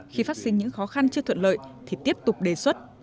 khi phát sinh những khó khăn chưa thuận lợi thì tiếp tục đề xuất